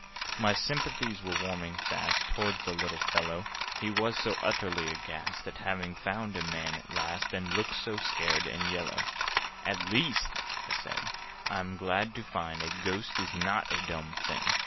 My sympathies were warming fast Towards the little fellow: He was so utterly aghast At having found a Man at last, And looked so scared and yellow. [Picture: In caverns by the water side] "At least," I said, "I'm glad to find A Ghost is not a dumb thing!